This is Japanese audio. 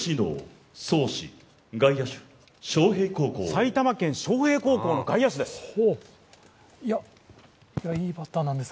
埼玉県昌平高校の外野手です。